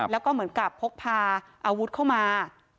แล้วก็เหมือนกับพกพาอาวุธเข้ามา